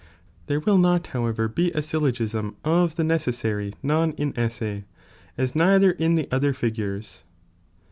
There will not however be a syllogism of the necessary non inesse, as neither in the other figures.